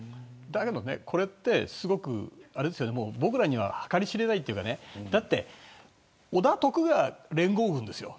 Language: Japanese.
これって僕らには計り知れないというか織田徳川連合軍ですよ。